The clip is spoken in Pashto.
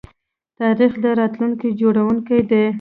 تاریخ د راتلونکي جوړونکی دی.